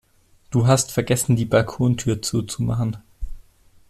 Du hast vergessen die Balkontür zuzumachen